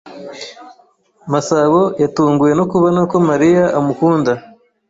Masabo yatunguwe no kubona ko Mariya amukunda.